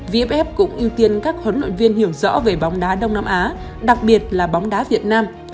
vff cũng ưu tiên các huấn luyện viên hiểu rõ về bóng đá đông nam á đặc biệt là bóng đá việt nam